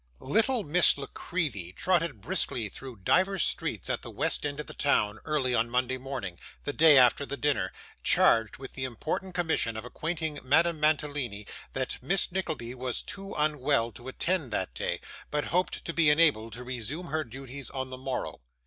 Little Miss La Creevy trotted briskly through divers streets at the west end of the town, early on Monday morning the day after the dinner charged with the important commission of acquainting Madame Mantalini that Miss Nickleby was too unwell to attend that day, but hoped to be enabled to resume her duties on the morrow.